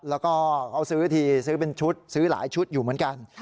แล้วก็เขาซื้อทีซื้อเป็นชุดซื้อหลายชุดอยู่เหมือนกัน